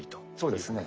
そうですね。